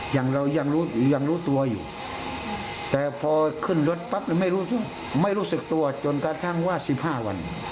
อย่างเรายังรู้ตัวอยู่แต่พอขึ้นรถปั๊บไม่รู้สึกตัวจนกระทั่งว่า๑๕วัน